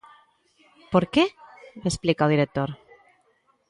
Por que?, explica o director.